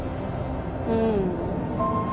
うん。